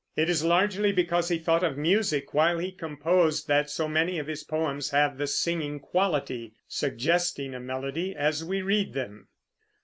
It is largely because he thought of music while he composed that so many of his poems have the singing quality, suggesting a melody as we read them.